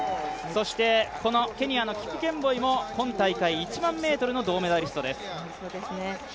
そしてこのケニアのキプケンボイも、今大会１００００ｍの銅メダリストです。